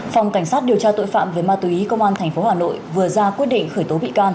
phòng cảnh sát điều tra tội phạm về ma túy công an tp hà nội vừa ra quyết định khởi tố bị can